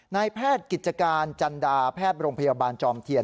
นายแพทย์กิจการจันดาแพทย์โรงพยาบาลจอมเทียน